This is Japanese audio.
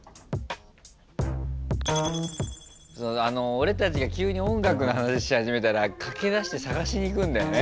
俺たちが急に音楽の話し始めたら駆けだして探しにいくんだよね。